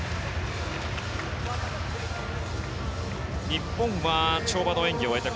日本は跳馬の演技を終えて